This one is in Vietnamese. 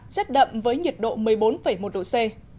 rét đậm với nhiệt độ một mươi bốn một độ c